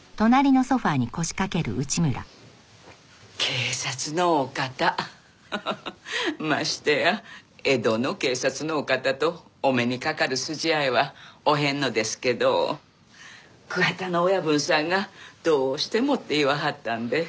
警察のお方ましてや江戸の警察のお方とお目にかかる筋合いはおへんのですけど桑田の親分さんがどうしてもって言わはったんで。